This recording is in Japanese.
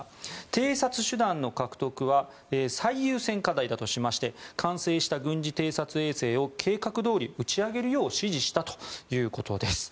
偵察手段の獲得は最優先課題だとしまして完成した軍事偵察衛星を計画通り打ち上げるよう指示したということです。